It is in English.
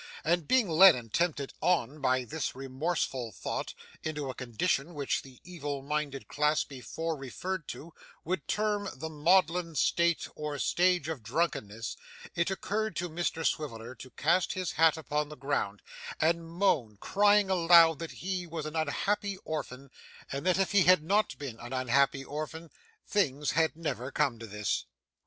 And being led and tempted on by this remorseful thought into a condition which the evil minded class before referred to would term the maudlin state or stage of drunkenness, it occurred to Mr Swiveller to cast his hat upon the ground, and moan, crying aloud that he was an unhappy orphan, and that if he had not been an unhappy orphan things had never come to this.